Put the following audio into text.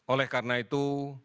oleh karena itu